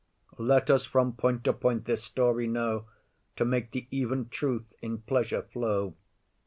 Let us from point to point this story know, To make the even truth in pleasure flow.